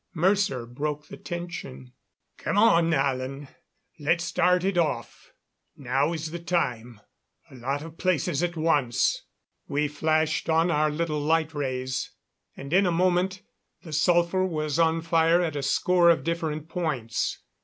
Mercer broke the tension. "Come on, Alan let's start it off. Now is the time a lot of places at once." We flashed on our little light rays, and in a moment the sulphur was on fire at a score of different points.